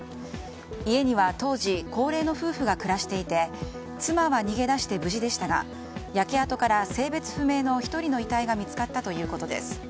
家には当時高齢の夫婦が暮らしていて妻は逃げ出して無事でしたが焼け跡から性別不明の１人の遺体が見つかったということです。